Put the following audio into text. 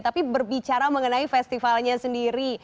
tapi berbicara mengenai festivalnya sendiri